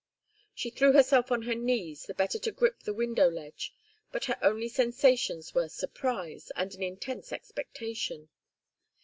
She threw herself on her knees the better to grip the window ledge, but her only sensations were surprise and an intense expectation.